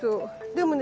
でもね